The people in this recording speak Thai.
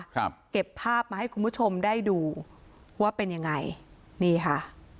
เก็บภาพมาให้คุณผู้ชมได้ดูว่าเป็นยังไงนี่ค่ะ